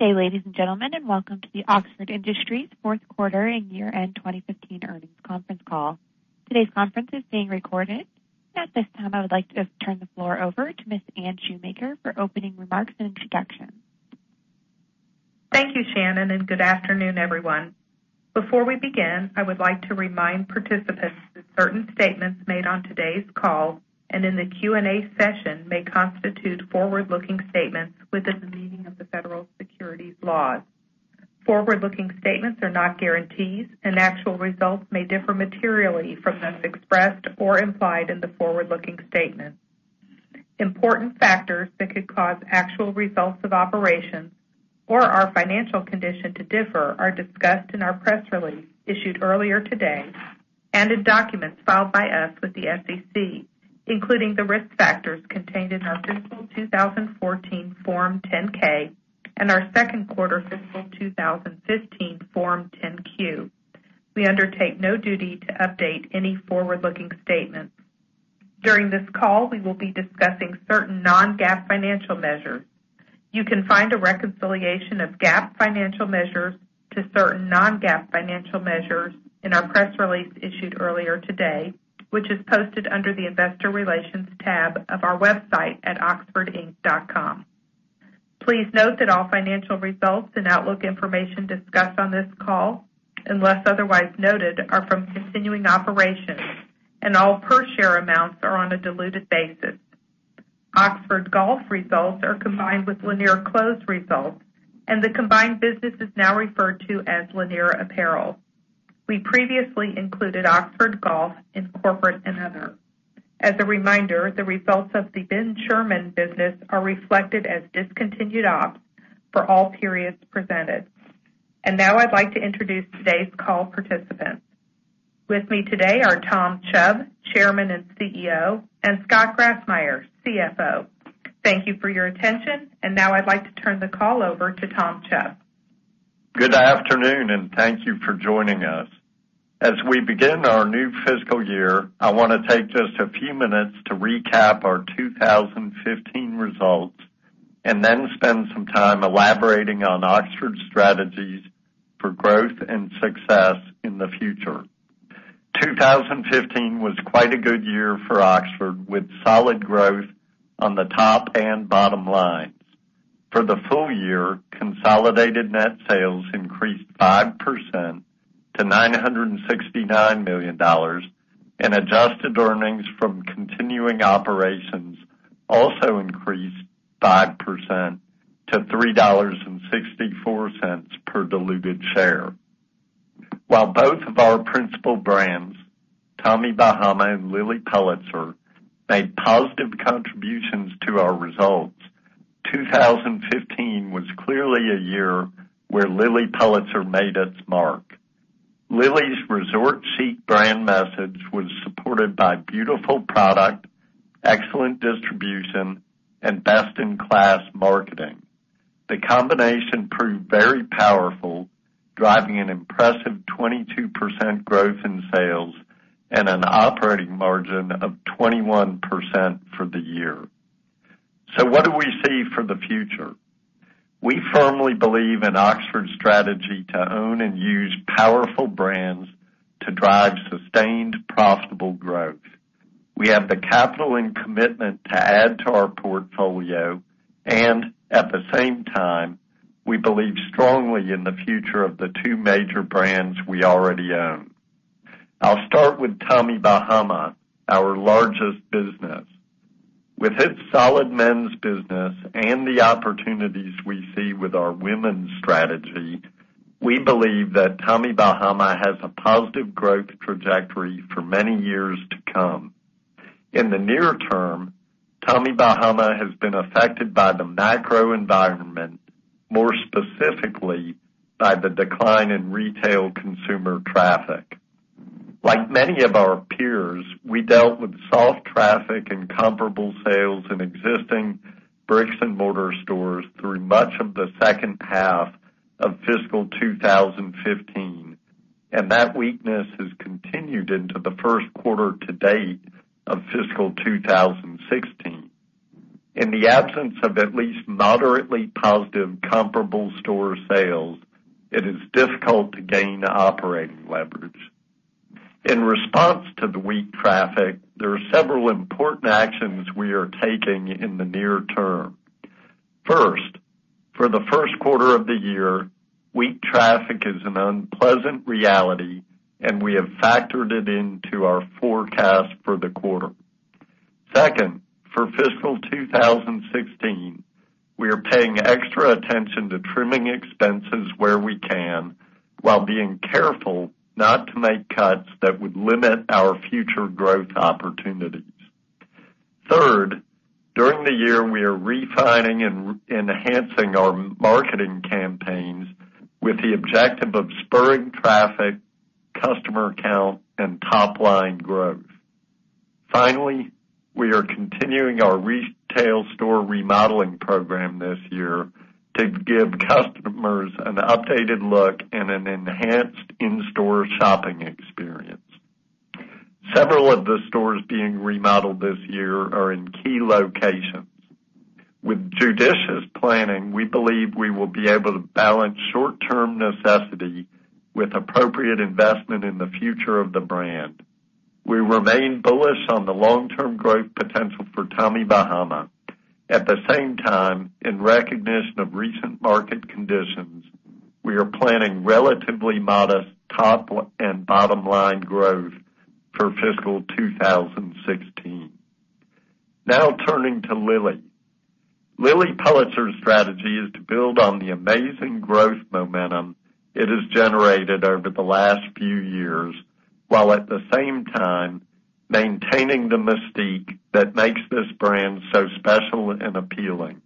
Good day, ladies and gentlemen, welcome to Oxford Industries fourth quarter and year-end 2015 earnings conference call. Today's conference is being recorded. At this time, I would like to turn the floor over to Ms. Anne Shoemaker for opening remarks and introductions. Thank you, Shannon, good afternoon, everyone. Before we begin, I would like to remind participants that certain statements made on today's call and in the Q&A session may constitute forward-looking statements within the meaning of the Federal Securities Laws. Forward-looking statements are not guarantees, actual results may differ materially from those expressed or implied in the forward-looking statements. Important factors that could cause actual results of operations or our financial condition to differ are discussed in our press release issued earlier today and in documents filed by us with the SEC, including the risk factors contained in our fiscal 2014 Form 10-K and our second quarter fiscal 2015 Form 10-Q. We undertake no duty to update any forward-looking statements. During this call, we will be discussing certain non-GAAP financial measures. You can find a reconciliation of GAAP financial measures to certain non-GAAP financial measures in our press release issued earlier today, which is posted under the investor relations tab of our website at oxfordinc.com. Please note that all financial results and outlook information discussed on this call, unless otherwise noted, are from continuing operations, and all per share amounts are on a diluted basis. Oxford Golf results are combined with Lanier Clothes results, and the combined business is now referred to as Lanier Apparel. We previously included Oxford Golf in corporate and other. As a reminder, the results of the Ben Sherman business are reflected as discontinued ops for all periods presented. Now I'd like to introduce today's call participants. With me today are Tom Chubb, Chairman and CEO, and Scott Grassmyer, CFO. Thank you for your attention. Now I'd like to turn the call over to Tom Chubb. Good afternoon, and thank you for joining us. As we begin our new fiscal year, I want to take just a few minutes to recap our 2015 results and then spend some time elaborating on Oxford's strategies for growth and success in the future. 2015 was quite a good year for Oxford, with solid growth on the top and bottom lines. For the full year, consolidated net sales increased 5% to $969 million, and adjusted earnings from continuing operations also increased 5% to $3.64 per diluted share. While both of our principal brands, Tommy Bahama and Lilly Pulitzer, made positive contributions to our results, 2015 was clearly a year where Lilly Pulitzer made its mark. Lilly's resort chic brand message was supported by beautiful product, excellent distribution, and best-in-class marketing. The combination proved very powerful, driving an impressive 22% growth in sales and an operating margin of 21% for the year. What do we see for the future? We firmly believe in Oxford's strategy to own and use powerful brands to drive sustained, profitable growth. We have the capital and commitment to add to our portfolio, and at the same time, we believe strongly in the future of the two major brands we already own. I'll start with Tommy Bahama, our largest business. With its solid men's business and the opportunities we see with our women's strategy, we believe that Tommy Bahama has a positive growth trajectory for many years to come. In the near term, Tommy Bahama has been affected by the macro environment, more specifically, by the decline in retail consumer traffic. Like many of our peers, we dealt with soft traffic and comparable sales in existing bricks-and-mortar stores through much of the second half of fiscal 2015, and that weakness has continued into the first quarter to date of fiscal 2016. In the absence of at least moderately positive comparable store sales, it is difficult to gain operating leverage. In response to the weak traffic, there are several important actions we are taking in the near term. First, for the first quarter of the year, weak traffic is an unpleasant reality, and we have factored it into our forecast for the quarter. Second, for fiscal 2016, we are paying extra attention to trimming expenses where we can, while being careful not to make cuts that would limit our future growth opportunities. Third, during the year, we are refining and enhancing our marketing campaigns with the objective of spurring traffic, customer count, and top-line growth. Finally, we are continuing our retail store remodeling program this year to give customers an updated look and an enhanced in-store shopping experience. Several of the stores being remodeled this year are in key locations. With judicious planning, we believe we will be able to balance short-term necessity with appropriate investment in the future of the brand. We remain bullish on the long-term growth potential for Tommy Bahama. At the same time, in recognition of recent market conditions, we are planning relatively modest top and bottom-line growth for fiscal 2016. Turning to Lilly. Lilly Pulitzer's strategy is to build on the amazing growth momentum it has generated over the last few years, while at the same time maintaining the mystique that makes this brand so special and appealing.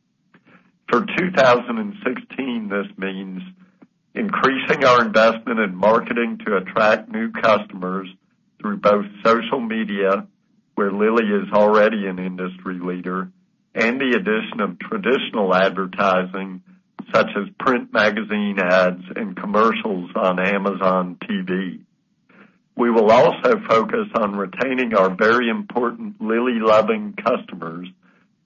For 2016, this means increasing our investment in marketing to attract new customers through both social media, where Lilly is already an industry leader, and the addition of traditional advertising, such as print magazine ads and commercials on Amazon TV. We will also focus on retaining our very important Lilly-loving customers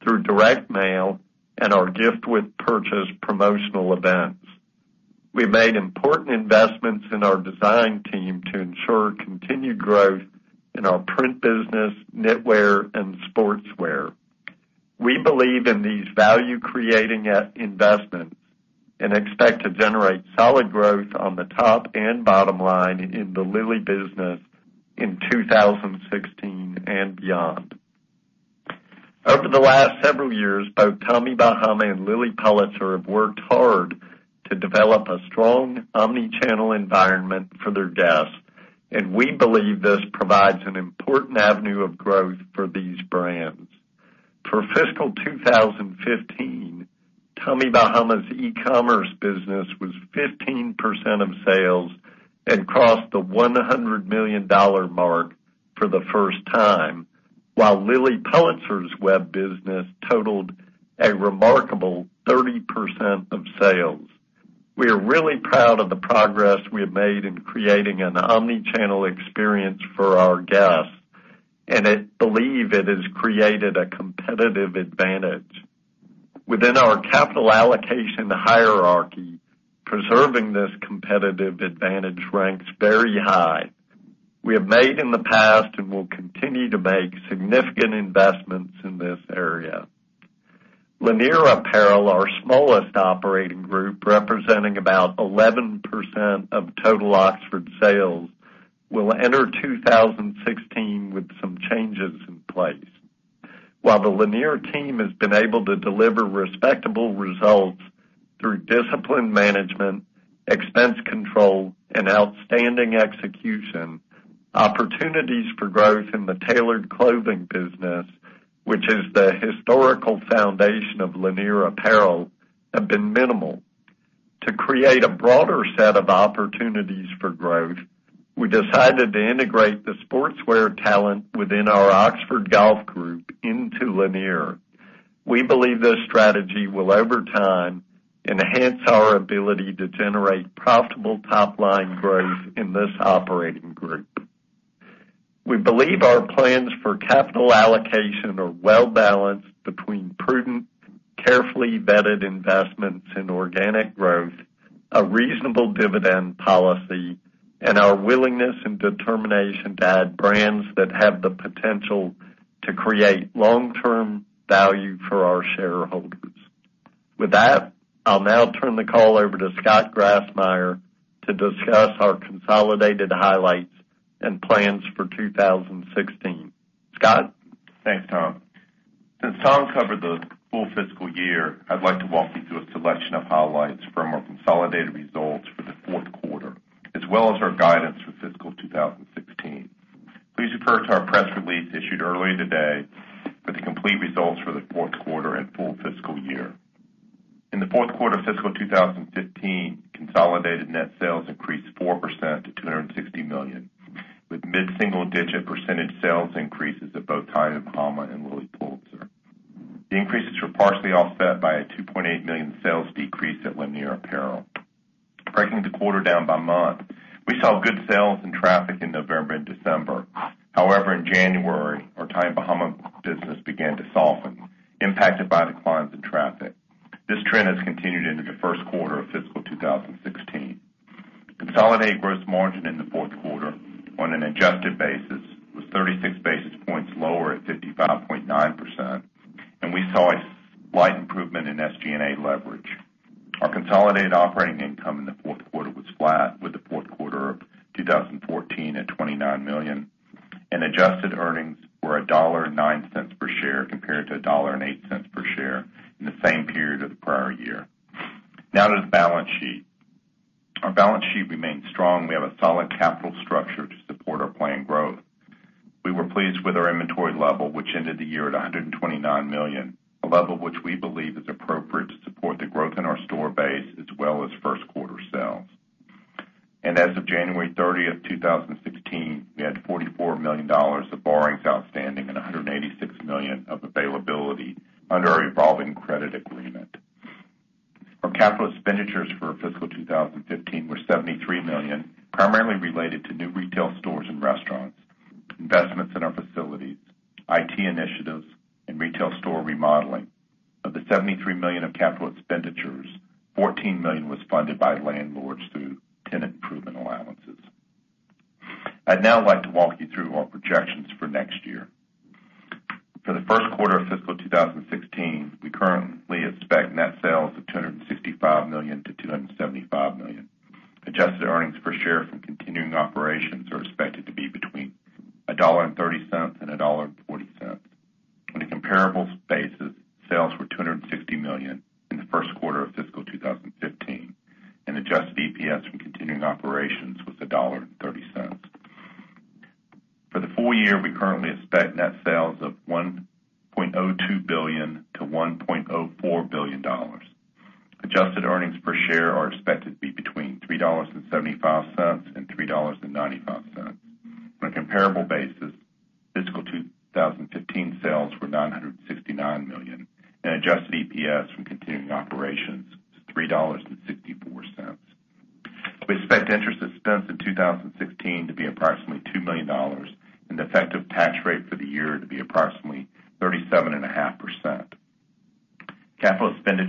through direct mail and our gift with purchase promotional events. We made important investments in our design team to ensure continued growth in our print business, knitwear, and sportswear. We believe in these value-creating investments and expect to generate solid growth on the top and bottom line in the Lilly business in 2016 and beyond. Over the last several years, both Tommy Bahama and Lilly Pulitzer have worked hard to develop a strong omnichannel environment for their guests. We believe this provides an important avenue of growth for these brands. For fiscal 2015, Tommy Bahama's e-commerce business was 15% of sales and crossed the $100 million mark for the first time, while Lilly Pulitzer's web business totaled a remarkable 30% of sales. We are really proud of the progress we have made in creating an omnichannel experience for our guests, believe it has created a competitive advantage. Within our capital allocation hierarchy, preserving this competitive advantage ranks very high. We have made in the past and will continue to make significant investments in this area. Lanier Apparel, our smallest operating group, representing about 11% of total Oxford sales, will enter 2016 with some changes in place. While the Lanier team has been able to deliver respectable results through disciplined management, expense control, and outstanding execution, opportunities for growth in the tailored clothing business, which is the historical foundation of Lanier Apparel, have been minimal. To create a broader set of opportunities for growth, we decided to integrate the sportswear talent within our Oxford Golf group into Lanier. We believe this strategy will, over time, enhance our ability to generate profitable top-line growth in this operating group. We believe our plans for capital allocation are well-balanced between prudent, carefully vetted investments in organic growth, a reasonable dividend policy, and our willingness and determination to add brands that have the potential to create long-term value for our shareholders. With that, I'll now turn the call over to Scott Grassmyer to discuss our consolidated highlights and plans for 2016. Scott? Thanks, Tom. Since Tom covered the full fiscal year, I'd like to walk you through a selection of highlights from our consolidated results for the fourth quarter, as well as our guidance for fiscal 2016. Please refer to our press release issued earlier today for the complete results for the fourth quarter and full fiscal year. In the fourth quarter of fiscal 2015, consolidated net sales increased 4% to $260 million, with mid-single-digit percentage sales increases at both Tommy Bahama and Lilly Pulitzer. The increases were partially offset by a $2.8 million sales decrease at Lanier Apparel. Breaking the quarter down by month, we saw good sales and traffic in November and December. In January, our Tommy Bahama business began to soften, impacted by declines in traffic. This trend has continued into the first quarter of fiscal 2016. Consolidated gross margin in the fourth quarter on an adjusted basis was 36 basis points lower at 55.9%. We saw a slight improvement in SG&A leverage. Our consolidated operating income in the fourth quarter was flat with the fourth quarter of 2014 at $29 million. Adjusted earnings were $1.09 per share compared to $1.08 per share in the same period of the prior year. Now to the balance sheet. Our balance sheet remains strong. We have a solid capital structure to support our planned growth. We were pleased with our inventory level, which ended the year at $129 million, a level which we believe is appropriate to support the growth in our store base, as well as first-quarter sales. As of January 30th, 2016, we had $44 million of borrowings outstanding and $186 million of availability under our revolving credit agreement. Our capital expenditures for fiscal 2015 were $73 million,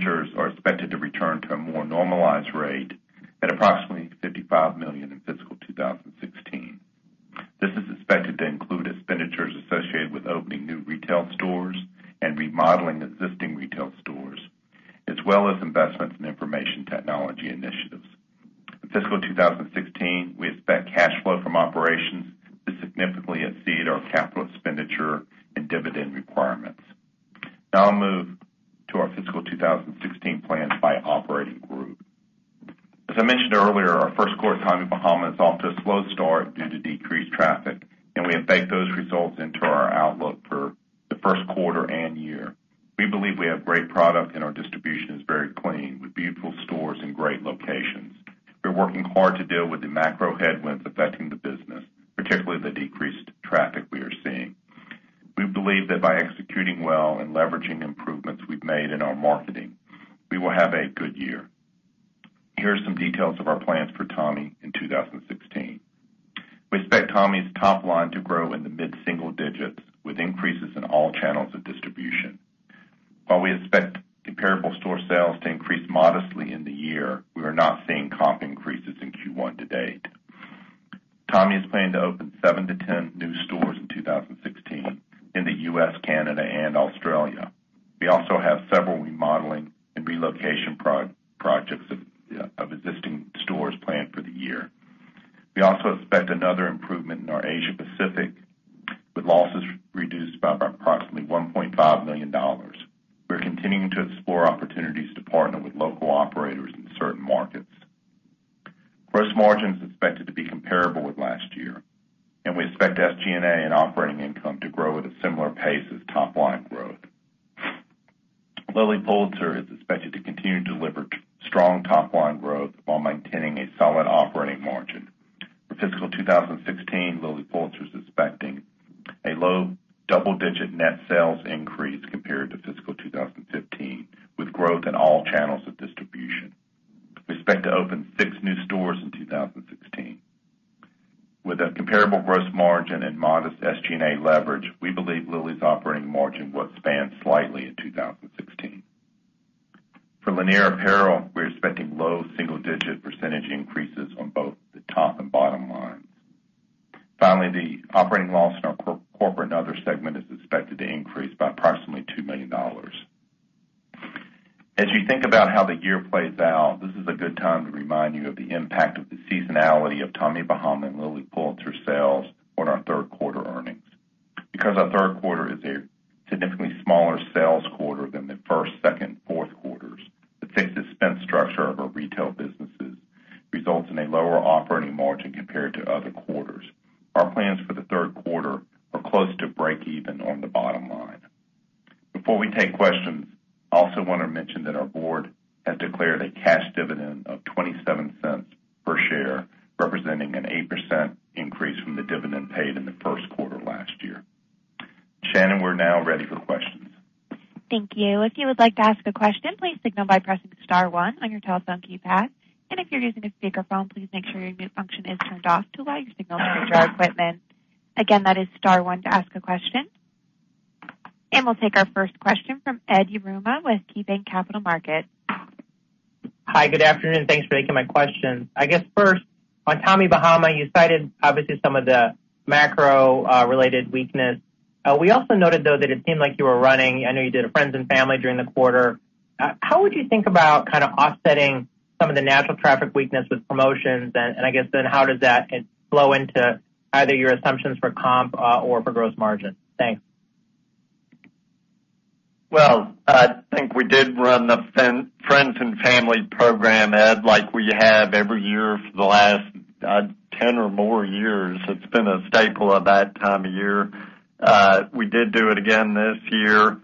37.5%. Capital expenditures are expected to return to a more normalized rate in the U.S., Canada, and Australia. We also have several remodeling and relocation projects of existing stores planned for the year. We also expect another improvement in our Asia Pacific, with losses reduced by approximately $1.5 million. We're continuing to explore opportunities to partner with local operators in certain markets. Gross margin is expected to be comparable with last year, we expect SG&A and operating income to grow at a similar pace as top-line growth. Lilly Pulitzer is expected to continue to deliver strong top-line growth while maintaining a solid operating margin. For fiscal 2016, Lilly Pulitzer is expecting a low double-digit net sales increase compared to fiscal 2015, with growth in all channels of distribution. We expect to open six new stores in 2016. With a comparable gross margin and modest SG&A leverage, we believe Lilly's operating margin will expand slightly in 2016. For Lanier Apparel, we're expecting low single-digit percentage increases on both the top and bottom lines. The operating loss in our corporate other segment is expected to increase by approximately $2 million. As you think about how the year plays out, this is a good time to remind you of the impact of the seasonality of Tommy Bahama and Lilly Pulitzer sales on our third quarter earnings. Because our third quarter is a significantly smaller sales quarter than the first, second, and fourth quarters, the fixed expense structure of our retail businesses results in a lower operating margin compared to other quarters. Our plans for the third quarter are close to break even on the bottom line. Before we take questions, I also want to mention that our board has declared a cash dividend of $0.27 per share, representing an 8% increase from the dividend paid in the first quarter last year. Shannon, we're now ready for questions. Thank you. If you would like to ask a question, please signal by pressing *1 on your telephone keypad. If you're using a speakerphone, please make sure your mute function is turned off to allow your signal to reach our equipment. Again, that is *1 to ask a question. We'll take our first question from Edward Yruma with KeyBanc Capital Markets. Hi, good afternoon. Thanks for taking my question. I guess first, on Tommy Bahama, you cited obviously some of the macro-related weakness. We also noted, though, that it seemed like you were running I know you did a friends and family during the quarter. How would you think about kind of offsetting some of the natural traffic weakness with promotions? I guess then how does that flow into either your assumptions for comp or for gross margin? Thanks. Well, I think we did run the friends and family program, Ed, like we have every year for the last 10 or more years. It's been a staple of that time of year. We did do it again this year.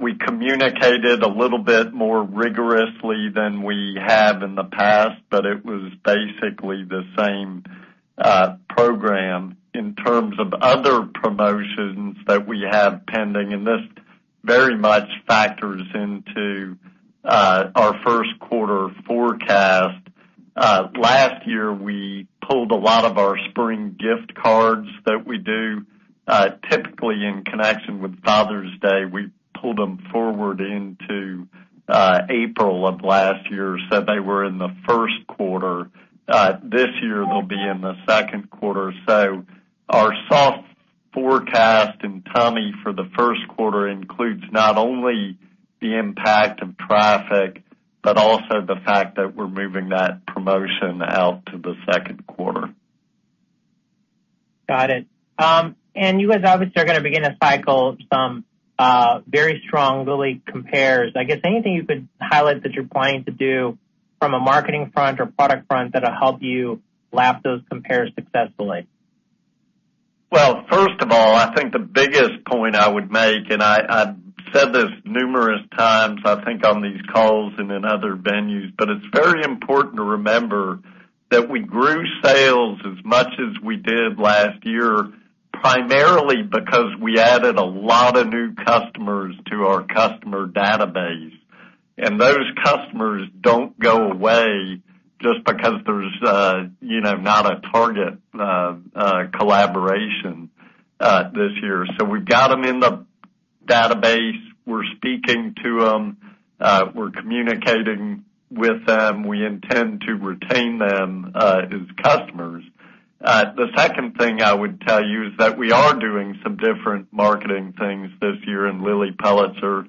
We communicated a little bit more rigorously than we have in the past, but it was basically the same program in terms of other promotions that we have pending. This very much factors into our first quarter forecast. Last year, we pulled a lot of our spring gift cards that we do. Typically, in connection with Father's Day, we pulled them forward into April of last year, so they were in the first quarter. This year, they'll be in the second quarter. Our soft forecast in Tommy for the first quarter includes not only the impact of traffic, but also the fact that we're moving that promotion out to the second quarter. Got it. You guys obviously are going to begin to cycle some very strong Lilly compares. I guess anything you could highlight that you're planning to do from a marketing front or product front that'll help you lap those compares successfully? Well, first of all, I think the biggest point I would make. I said this numerous times, I think on these calls and in other venues, but it's very important to remember that we grew sales as much as we did last year, primarily because we added a lot of new customers to our customer database. Those customers don't go away just because there's not a Target collaboration this year. We got them in the database. We're speaking to them. We're communicating with them. We intend to retain them as customers. The second thing I would tell you is that we are doing some different marketing things this year in Lilly Pulitzer.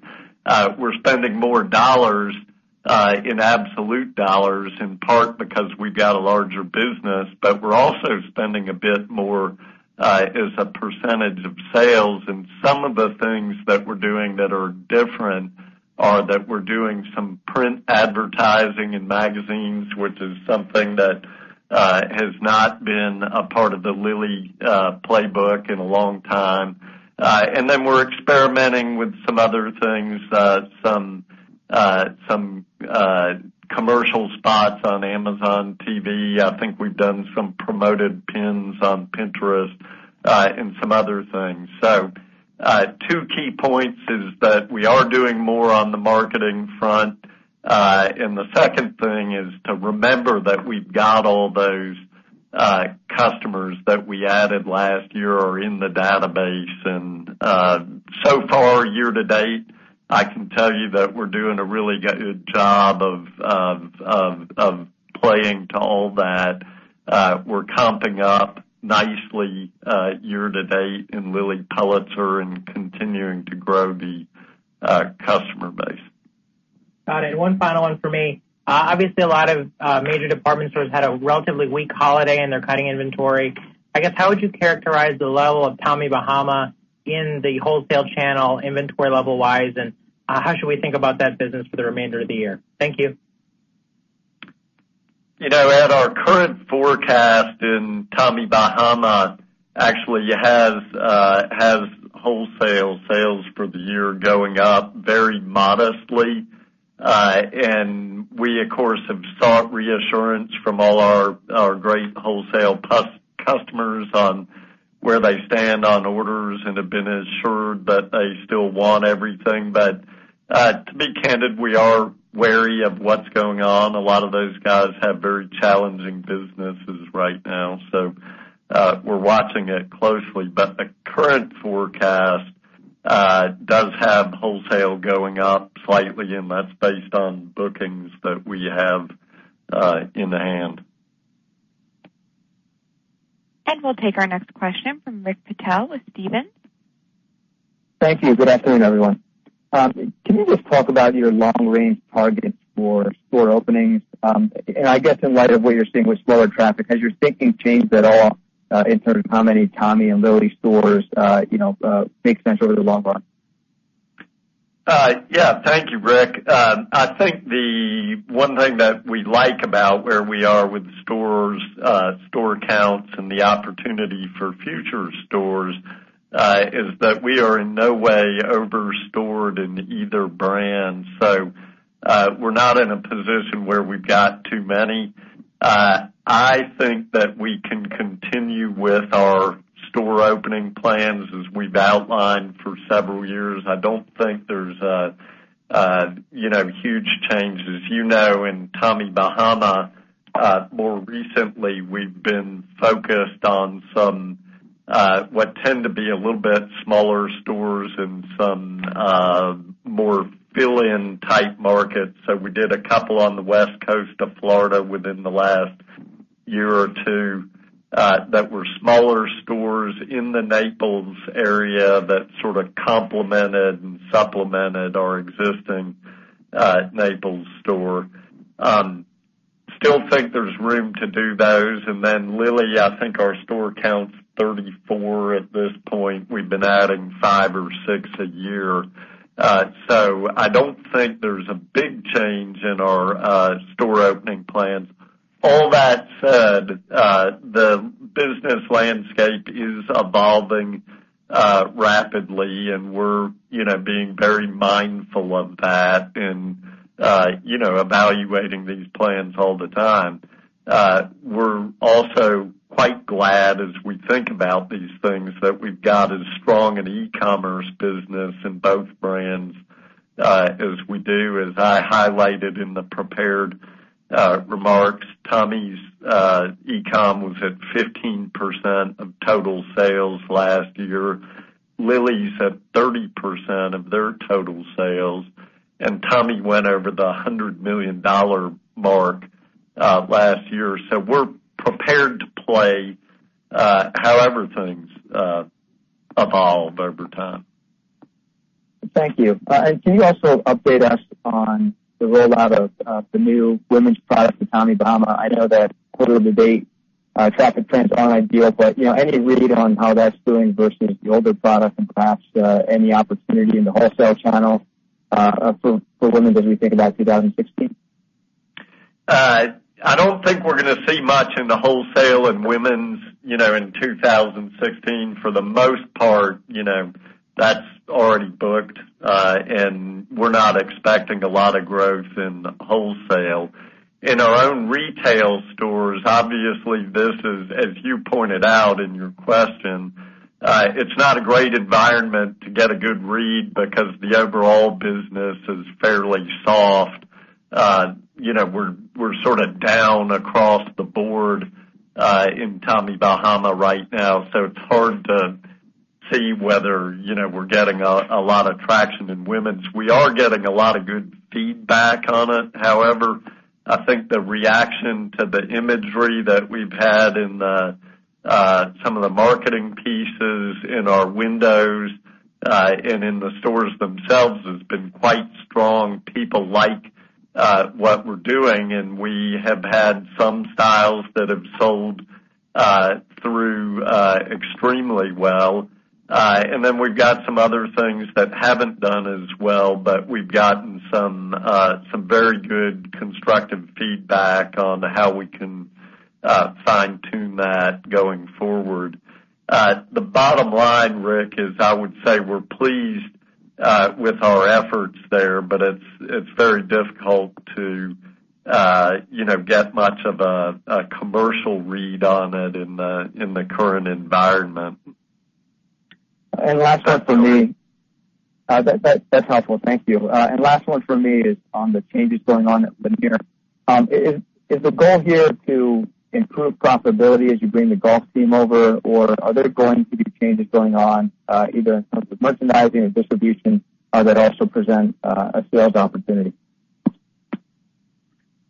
We're spending more dollars in absolute dollars, in part because we've got a larger business, but we're also spending a bit more as a % of sales. Some of the things that we're doing that are different are that we're doing some print advertising in magazines, which is something that has not been a part of the Lilly playbook in a long time. Then we're experimenting with some other things, some commercial spots on Amazon TV. I think we've done some promoted pins on Pinterest, some other things. Two key points is that we are doing more on the marketing front. The second thing is to remember that we've got all those customers that we added last year are in the database. So far, year-to-date, I can tell you that we're doing a really good job of playing to all that. We're comping up nicely year-to-date in Lilly Pulitzer and continuing to grow the customer base. Got it. One final one for me. Obviously, a lot of major department stores had a relatively weak holiday, and they're cutting inventory. I guess, how would you characterize the level of Tommy Bahama in the wholesale channel, inventory level wise, and how should we think about that business for the remainder of the year? Thank you. Ed, our current forecast in Tommy Bahama actually has wholesale sales for the year going up very modestly. We, of course, have sought reassurance from all our great wholesale customers on where they stand on orders and have been assured that they still want everything. To be candid, we are wary of what's going on. A lot of those guys have very challenging businesses right now, so we're watching it closely. The current forecast does have wholesale going up slightly, and that's based on bookings that we have in hand. We'll take our next question from Rick Patel with Stephens. Thank you. Good afternoon, everyone. Can you just talk about your long-range targets for store openings? I guess in light of what you're seeing with slower traffic, has your thinking changed at all in terms of how many Tommy and Lilly stores make sense over the long run? Yeah. Thank you, Rick. I think the one thing that we like about where we are with stores, store counts, and the opportunity for future stores is that we are in no way over-stored in either brand. We're not in a position where we've got too many. I think that we can continue with our store opening plans as we've outlined for several years. I don't think there's huge changes. You know in Tommy Bahama, more recently, we've been focused on some what tend to be a little bit smaller stores and some more fill-in type markets. We did a couple on the West Coast of Florida within the last year or two that were smaller stores in the Naples area that sort of complemented and supplemented our existing Naples store. Still think there's room to do those. Lilly, I think our store count's 34 at this point. We've been adding five or six a year. I don't think there's a big change in our store opening plans. All that said, the business landscape is evolving rapidly, and we're being very mindful of that and evaluating these plans all the time. We're also quite glad as we think about these things, that we've got as strong an e-commerce business in both brands as we do. As I highlighted in the prepared remarks, Tommy's e-com was at 15% of total sales last year. Lilly's at 30% of their total sales, and Tommy went over the $100 million mark last year. We're prepared to play however things evolve over time. Thank you. Can you also update us on the rollout of the new women's product with Tommy Bahama? I know that quarter to date traffic trends aren't ideal, but any read on how that's doing versus the older product and perhaps any opportunity in the wholesale channel for women as we think about 2016? I don't think we're going to see much in the wholesale in women's in 2016. For the most part, that's already booked, and we're not expecting a lot of growth in wholesale. In our own retail stores, obviously, as you pointed out in your question, it's not a great environment to get a good read because the overall business is fairly soft. We're sort of down across the board in Tommy Bahama right now. It's hard to see whether we're getting a lot of traction in women's. We are getting a lot of good feedback on it, however. I think the reaction to the imagery that we've had in some of the marketing pieces in our windows and in the stores themselves has been quite strong. People like what we're doing, and we have had some styles that have sold through extremely well. We've got some other things that haven't done as well, but we've gotten some very good constructive feedback on how we can fine-tune that going forward. The bottom line, Rick, is I would say we're pleased with our efforts there, but it's very difficult to get much of a commercial read on it in the current environment. That's helpful. Thank you. Last one from me is on the changes going on at Lanier. Is the goal here to improve profitability as you bring the golf team over, or are there going to be changes going on either in terms of merchandising or distribution that also present a sales opportunity?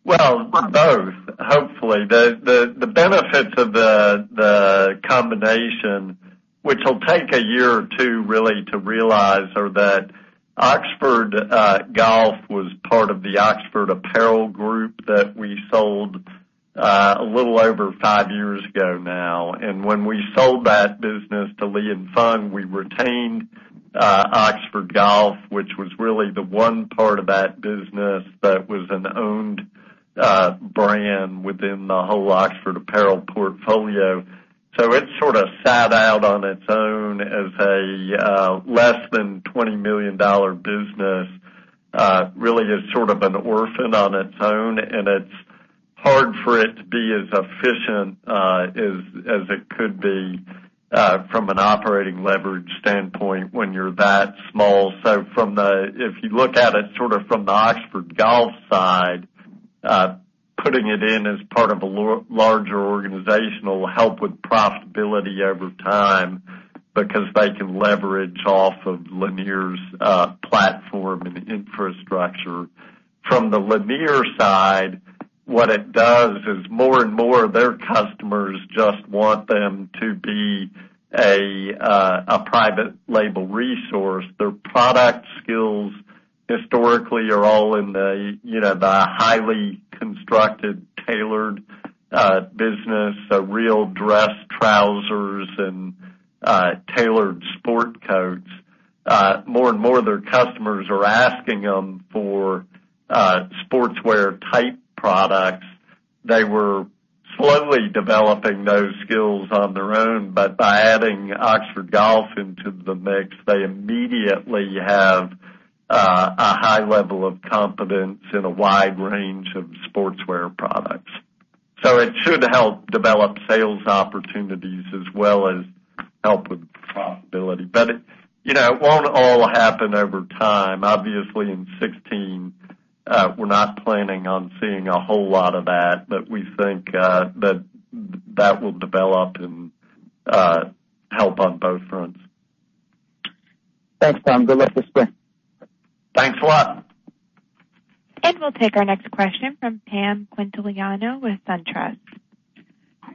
Well, both, hopefully. The benefits of the combination, which will take a year or two really to realize, are that Oxford Golf was part of the Oxford Apparel that we sold a little over five years ago now. When we sold that business to Li & Fung, we retained Oxford Golf, which was really the one part of that business that was an owned brand within the whole Oxford Apparel portfolio. It sort of sat out on its own as a less than $20 million business, really is sort of an orphan on its own, and it's hard for it to be as efficient as it could be from an operating leverage standpoint when you're that small. If you look at it sort of from the Oxford Golf side, putting it in as part of a larger organization will help with profitability over time because they can leverage off of Lanier's platform and infrastructure. From the Lanier side, what it does is more and more of their customers just want them to be a private label resource. Their product skills historically are all in the highly constructed, tailored business, so real dress trousers and tailored sport coats. More and more of their customers are asking them for sportswear type products. They were slowly developing those skills on their own, but by adding Oxford Golf into the mix, they immediately have a high level of competence in a wide range of sportswear products. It should help develop sales opportunities as well as help with profitability. It won't all happen over time. Obviously, in 2016, we're not planning on seeing a whole lot of that, but we think that will develop and help on both fronts. Thanks, Tom. Good luck this spring. Thanks a lot. We'll take our next question from Pamela Quintiliano with SunTrust.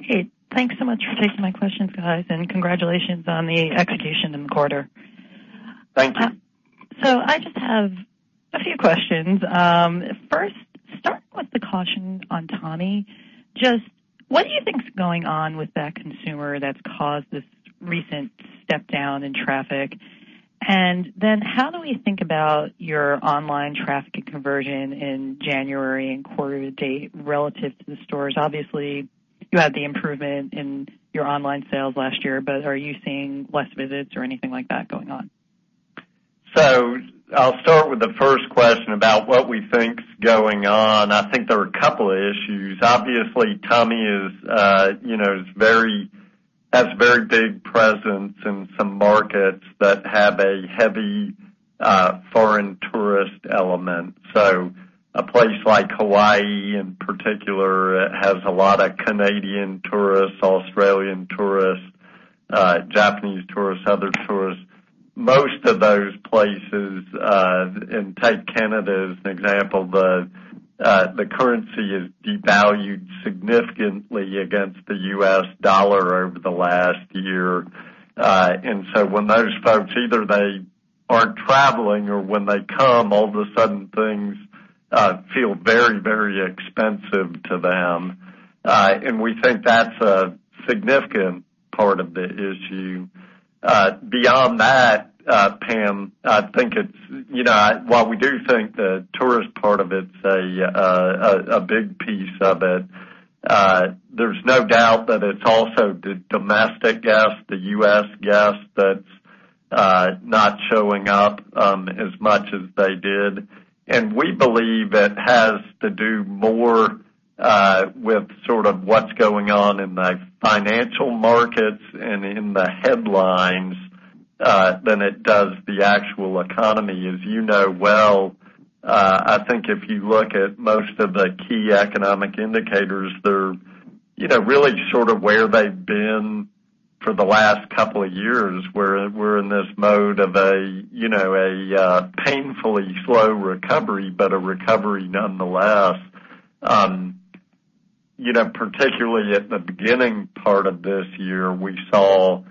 Great. Thanks so much for taking my questions, guys, and congratulations on the execution in the quarter. Thank you. I just have a few questions. First, starting with the caution on Tommy, just what do you think is going on with that consumer that's caused this recent step down in traffic? How do we think about your online traffic conversion in January and quarter to date relative to the stores? Obviously, you had the improvement in your online sales last year, are you seeing less visits or anything like that going on? I'll start with the first question about what we think is going on. I think there are a couple of issues. Obviously, Tommy has a very big presence in some markets that have a heavy foreign tourist element. A place like Hawaii, in particular, has a lot of Canadian tourists, Australian tourists, Japanese tourists, other tourists. Most of those places, and take Canada as an example, the currency is devalued significantly against the US dollar over the last year. When those folks, either they aren't traveling or when they come, all of a sudden, things feel very, very expensive to them. We think that's a significant part of the issue. Beyond that, Pam, while we do think the tourist part of it's a big piece of it, there's no doubt that it's also the domestic guest, the U.S. guest, that's not showing up as much as they did. We believe it has to do more with sort of what's going on in the financial markets and in the headlines than it does the actual economy, as you know well. I think if you look at most of the key economic indicators, they're really sort of where they've been for the last couple of years, where we're in this mode of a painfully slow recovery, but a recovery nonetheless. Particularly at the beginning part of this year, we saw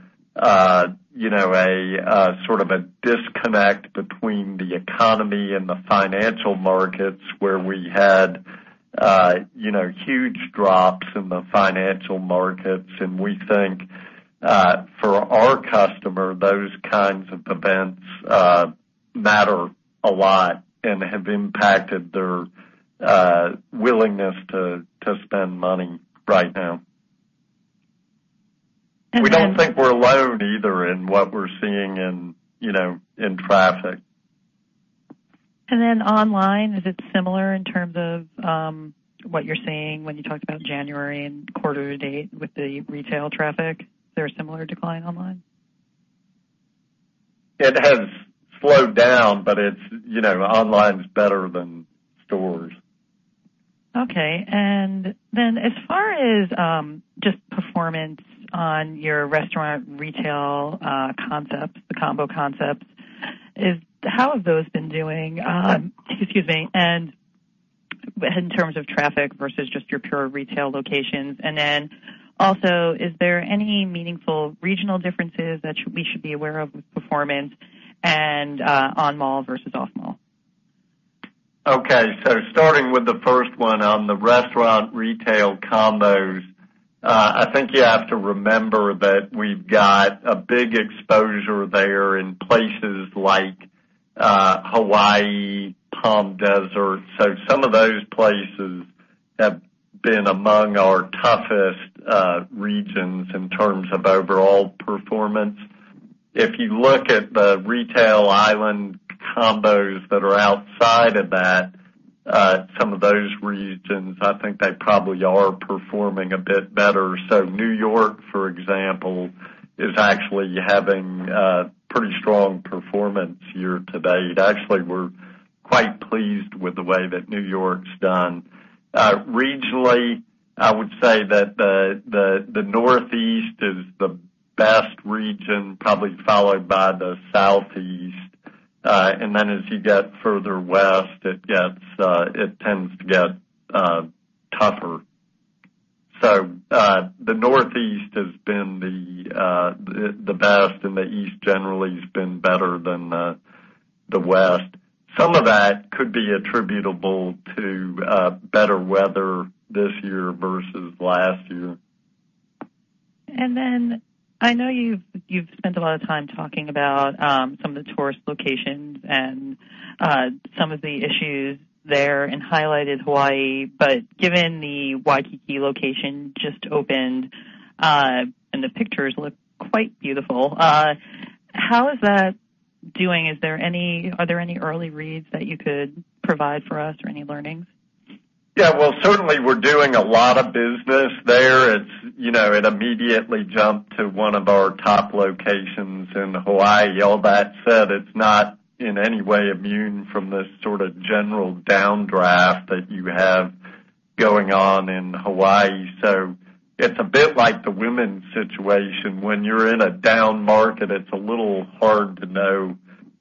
sort of a disconnect between the economy and the financial markets, where we had huge drops in the financial markets. We think, for our customer, those kinds of events matter a lot and have impacted their willingness to spend money right now. We don't think we're alone either in what we're seeing in traffic. Online, is it similar in terms of what you're seeing when you talked about January and quarter to date with the retail traffic? Is there a similar decline online? It has slowed down, online's better than stores. Okay. As far as just performance on your restaurant retail concepts, the combo concepts, how have those been doing in terms of traffic versus just your pure retail locations? Also, is there any meaningful regional differences that we should be aware of with performance and on-mall versus off-mall? Okay. Starting with the first one on the restaurant retail combos, I think you have to remember that we've got a big exposure there in places like Hawaii, Palm Desert. Some of those places have been among our toughest regions in terms of overall performance. If you look at the retail island combos that are outside of that, some of those regions, I think they probably are performing a bit better. New York, for example, is actually having a pretty strong performance year to date. Actually, we're quite pleased with the way that New York's done. Regionally, I would say that the Northeast is the best region, probably followed by the Southeast. As you get further west, it tends to get tougher. The Northeast has been the best, and the East generally has been better than the West. Some of that could be attributable to better weather this year versus last year. I know you've spent a lot of time talking about some of the tourist locations and some of the issues there and highlighted Hawaii. Given the Waikiki location just opened, and the pictures look quite beautiful, how is that doing? Are there any early reads that you could provide for us or any learnings? Well, certainly, we're doing a lot of business there. It immediately jumped to one of our top locations in Hawaii. All that said, it's not in any way immune from the sort of general downdraft that you have going on in Hawaii. It's a bit like the women's situation. When you're in a down market, it's a little hard to know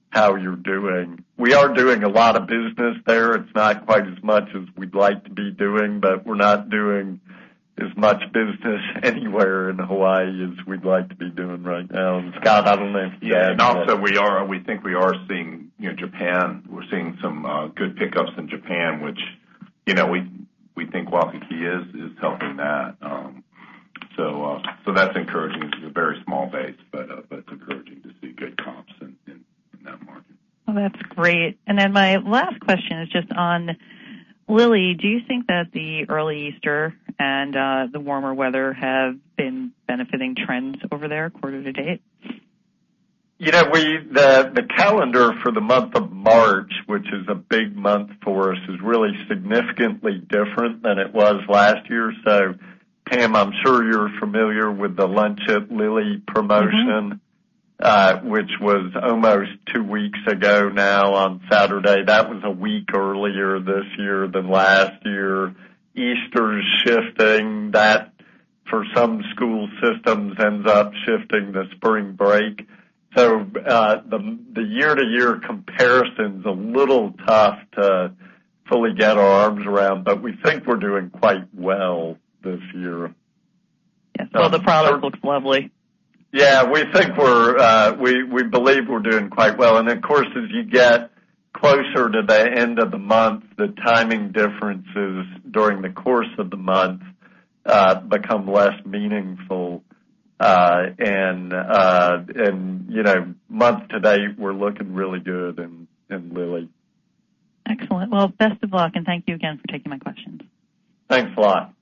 how you're doing. We are doing a lot of business there. It's not quite as much as we'd like to be doing, but we're not doing as much business anywhere in Hawaii as we'd like to be doing right now. Scott, I don't know if you can add. Also, we think we are seeing Japan. We're seeing some good pickups in Japan, which we think Waikiki is helping that. That's encouraging. It's a very small base, It's encouraging to see good comps in that market. Well, that's great. My last question is just on Lilly. Do you think that the early Easter and the warmer weather have been benefiting trends over there quarter to date? The calendar for the month of March, which is a big month for us, is really significantly different than it was last year. Pam, I'm sure you're familiar with the Lunch at Lilly promotion- which was almost two weeks ago now, on Saturday. That was a week earlier this year than last year. Easter's shifting. That, for some school systems, ends up shifting the spring break. The year-to-year comparison's a little tough to fully get our arms around, but we think we're doing quite well this year. Yes. Well, the product looks lovely. Yeah. We believe we're doing quite well. Of course, as you get closer to the end of the month, the timing differences during the course of the month become less meaningful. Month to date, we're looking really good in Lilly. Excellent. Well, best of luck, and thank you again for taking my questions. Thanks a lot.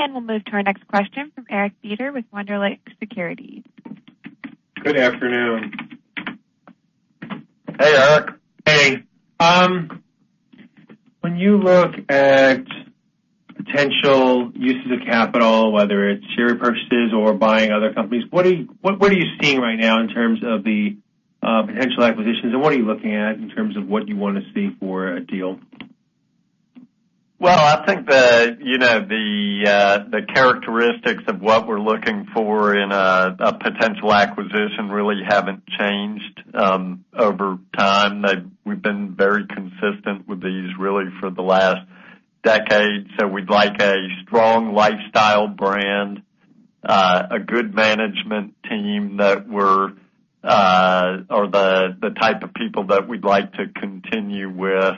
We'll move to our next question from Eric Beder with Wunderlich Securities. Good afternoon. Hey, Eric. Hey. When you look at potential uses of capital, whether it's share repurchases or buying other companies, what are you seeing right now in terms of the potential acquisitions, what are you looking at in terms of what you want to see for a deal? Well, I think the characteristics of what we're looking for in a potential acquisition really haven't changed over time. We've been very consistent with these, really, for the last decade. We'd like a strong lifestyle brand, a good management team that are the type of people that we'd like to continue with.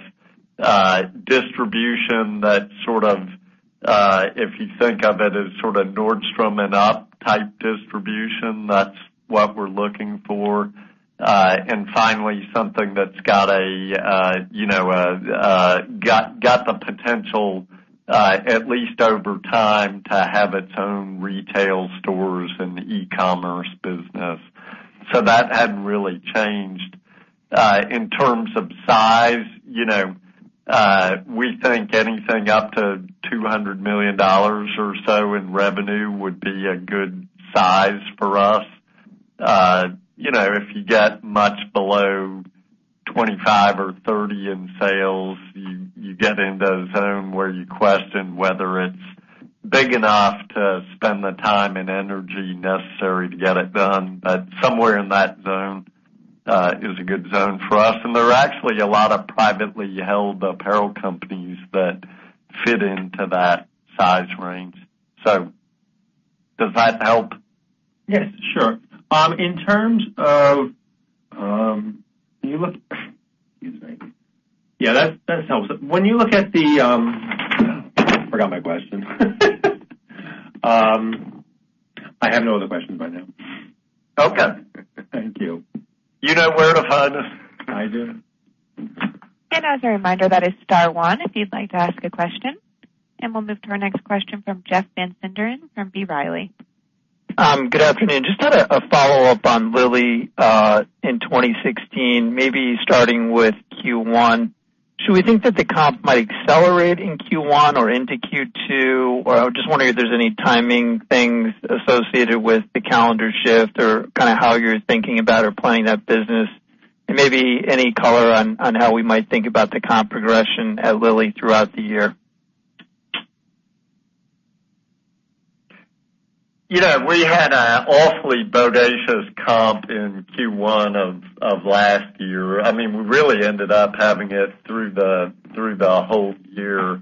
Distribution that's, if you think of it as Nordstrom and up type distribution, that's what we're looking for. Finally, something that's got the potential, at least over time, to have its own retail stores and e-commerce business. That hadn't really changed. In terms of size, we think anything up to $200 million or so in revenue would be a good size for us. If you get much below 25 or 30 in sales, you get into a zone where you question whether it's big enough to spend the time and energy necessary to get it done. Somewhere in that zone is a good zone for us, there are actually a lot of privately held apparel companies that fit into that size range. Does that help? Yes, sure. Yeah, that helps. Forgot my question. I have no other questions right now. Okay. Thank you. You know where to find us. I do. As a reminder, that is star one if you'd like to ask a question. We'll move to our next question from Jeff Van Sinderen from B. Riley. Good afternoon. Just had a follow-up on Lilly in 2016, maybe starting with Q1. Should we think that the comp might accelerate in Q1 or into Q2? I was just wondering if there's any timing things associated with the calendar shift or how you're thinking about or planning that business. Maybe any color on how we might think about the comp progression at Lilly throughout the year. We had a awfully bodacious comp in Q1 of last year. We really ended up having it through the whole year.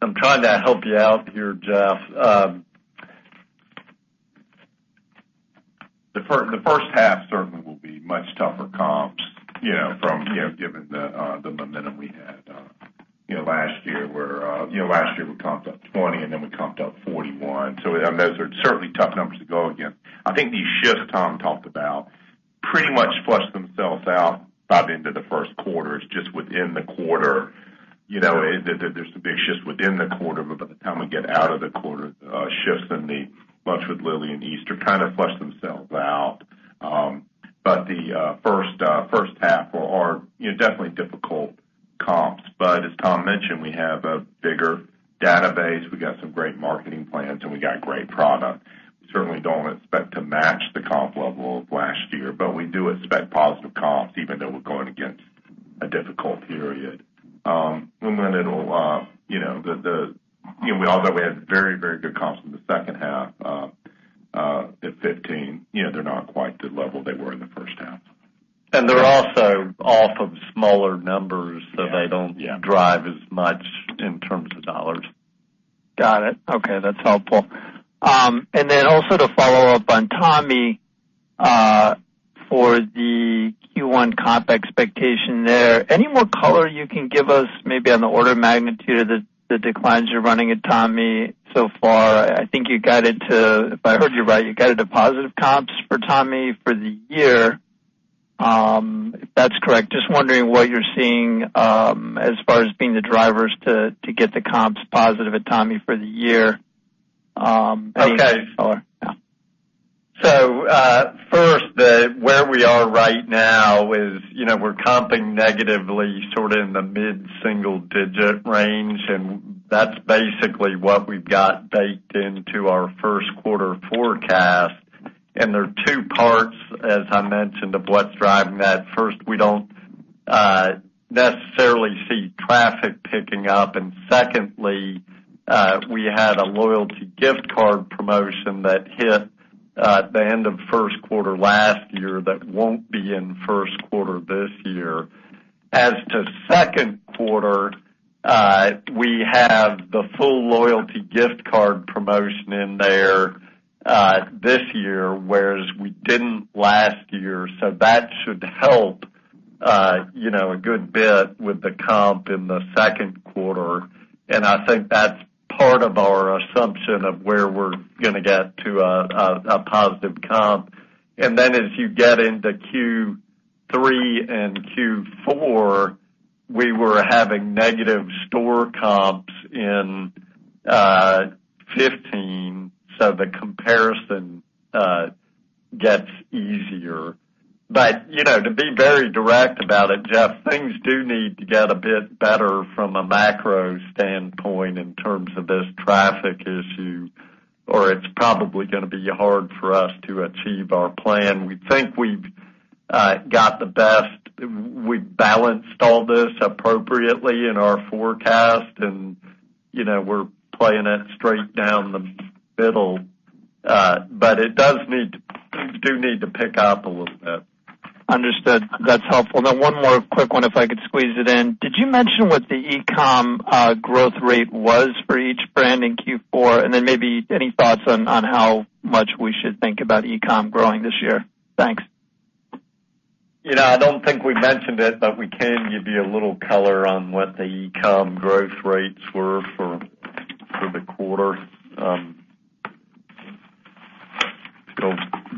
I'm trying to help you out here, Jeff. The first half certainly will be much tougher comps, given the momentum we had last year, where last year we comped up 20 and then we comped up 41. Those are certainly tough numbers to go against. I think these shifts Tom talked about pretty much flushed themselves out by the end of the first quarter. It's just within the quarter. There's some big shifts within the quarter, but by the time we get out of the quarter, shifts in the months with Lilly and Easter kind of flush themselves out. The first half are definitely difficult comps. As Tom mentioned, we have a bigger database, we got some great marketing plans, and we got great product. We certainly don't expect to match the comp level of last year, but we do expect positive comps, even though we're going against a difficult period. Although we had very good comps in the second half, at 15, they're not quite the level they were in the first half. They're also off of smaller numbers. Yeah. They don't drive as much in terms of dollars. Got it. Okay, that's helpful. Also to follow up on Tommy for the Q1 comp expectation there. Any more color you can give us maybe on the order of magnitude of the declines you're running at Tommy so far? I think, if I heard you right, you guided to positive comps for Tommy for the year, if that's correct. Just wondering what you're seeing as far as being the drivers to get the comps positive at Tommy for the year. Any color? Okay. First, where we are right now is we're comping negatively sort of in the mid-single-digit range, and that's basically what we've got baked into our first quarter forecast. There are two parts, as I mentioned, of what's driving that. First, we don't necessarily see traffic picking up, and secondly, we had a loyalty gift card promotion that hit at the end of first quarter last year that won't be in first quarter this year. As to second quarter, we have the full loyalty gift card promotion in there this year, whereas we didn't last year. That should help a good bit with the comp in the second quarter. I think that's part of our assumption of where we're going to get to a positive comp. As you get into Q3 and Q4, we were having negative store comps in 2015, so the comparison gets easier. To be very direct about it, Jeff, things do need to get a bit better from a macro standpoint in terms of this traffic issue, or it's probably going to be hard for us to achieve our plan. We think we've got the best. We've balanced all this appropriately in our forecast and we're playing it straight down the middle. It does need to pick up a little bit. Understood. That's helpful. One more quick one if I could squeeze it in. Did you mention what the e-com growth rate was for each brand in Q4? Maybe any thoughts on how much we should think about e-com growing this year? Thanks. I don't think we mentioned it, but we can give you a little color on what the e-com growth rates were for the quarter.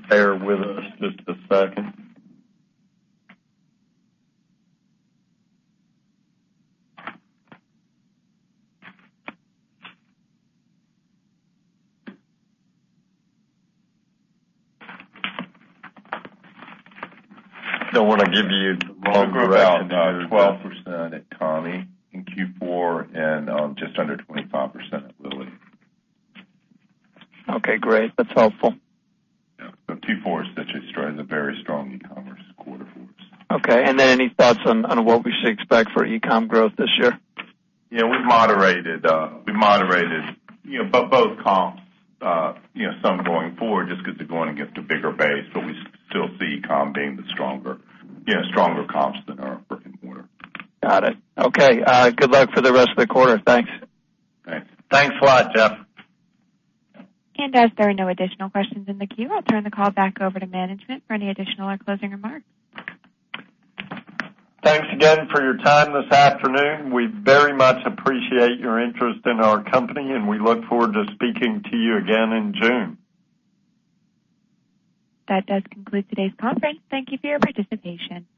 Bear with us just a second. When I give you the. We grew about 12% at Tommy in Q4 and just under 25% at Lilly. Okay, great. That's helpful. Yeah. Q4 is such a very strong e-commerce quarter for us. Okay. Any thoughts on what we should expect for e-com growth this year? Yeah, we moderated both comps some going forward just because they're going against a bigger base. We still see e-com being the stronger comps than our brick-and-mortar. Got it. Okay. Good luck for the rest of the quarter. Thanks. Thanks. Thanks a lot, Jeff. As there are no additional questions in the queue, I'll turn the call back over to management for any additional or closing remarks. Thanks again for your time this afternoon. We very much appreciate your interest in our company, and we look forward to speaking to you again in June. That does conclude today's conference. Thank you for your participation.